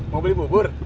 mau beli bubur